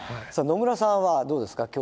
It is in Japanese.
さあ野村さんはどうですか？